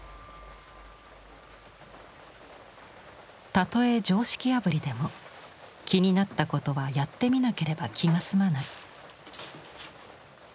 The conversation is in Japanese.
たとえ常識破りでも気になったことはやってみなければ気が済まない。